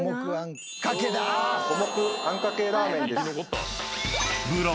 五目あんかけラーメンです。